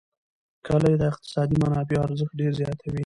کلي د اقتصادي منابعو ارزښت ډېر زیاتوي.